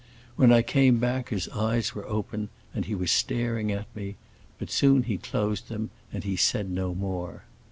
When I came back his eyes were open and he was staring at me; but soon he closed them and he said no more.